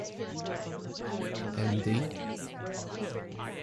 Md.